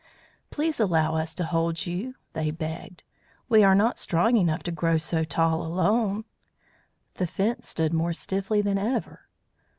"Please allow us to hold to you," they begged. "We are not strong enough to grow so tall alone." The Fence stood more stiffly than ever.